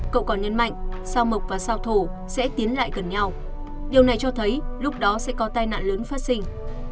cậu còn nhấn mạnh sao mộc và sao thổ sẽ tiến lại gần nhau điều này cho thấy lúc đó sẽ có tai nạn lớn phát sinh